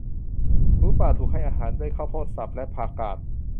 หมูป่าถูกให้อาหารด้วยข้าวโพดสับและ ผักกาด